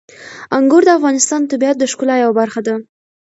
انګور د افغانستان د طبیعت د ښکلا یوه برخه ده.